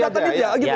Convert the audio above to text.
iya maksudnya gitu